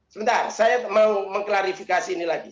sebentar saya mau mengklarifikasi ini lagi